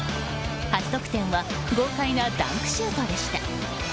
初得点は豪快なダンクシュートでした。